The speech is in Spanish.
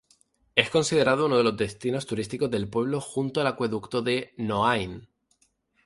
Es considerado uno de los destinos turísticos del pueblo junto al Acueducto de Noáin.